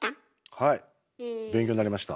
はい勉強になりました。